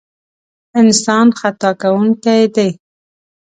انسان خطا کوونکی دی.